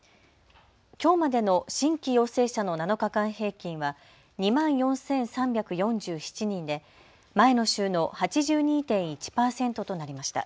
きょうまでの新規陽性者の７日間平均は２万４３４７人で前の週の８２．１％となりました。